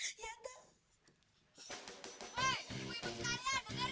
hei ibu ibu sekalian dengerin ye